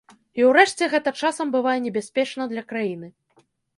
І ўрэшце гэта часам бывае небяспечна для краіны.